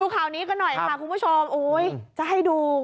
ดูข่าวนี้ก็หน่อยค่ะคุณผู้ชม